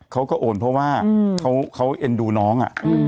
เขาก็โอนเพราะว่าเขาเอ็นดูน้อง